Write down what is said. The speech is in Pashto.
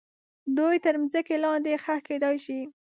دوی تر مځکې لاندې ښخ کیدای سي.